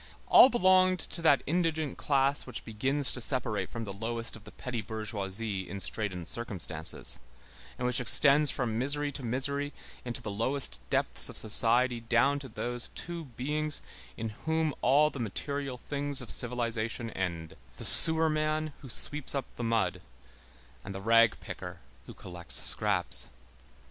All belonged to that indigent class which begins to separate from the lowest of petty bourgeoisie in straitened circumstances, and which extends from misery to misery into the lowest depths of society down to those two beings in whom all the material things of civilization end, the sewer man who sweeps up the mud, and the rag picker who collects scraps.